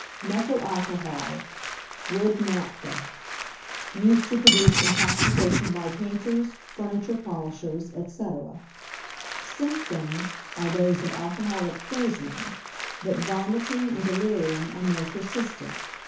=Methyl Alcohol: Wood Naphtha.= Used to produce intoxication by painters, furniture polishers, etc. Symptoms are those of alcoholic poisoning, but vomiting and delirium are more persistent.